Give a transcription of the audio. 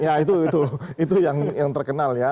ya itu yang terkenal ya